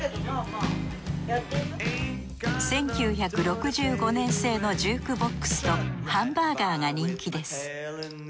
１９６５年製のジュークボックスとハンバーガーが人気です。